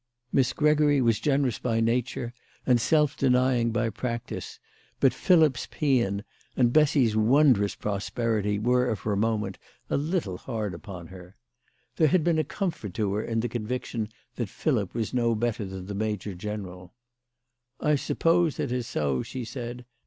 Miss Gregory was generous by nature and self denying by practice, but Philip's paean and Bessy's wondrous prosperity were for a moment a little hard upon her. THE LADY OF LAUNAY. 187 There had been a comfort to her in the conviction that Philip was no better than the major general. " I sup pose it is so/' she said.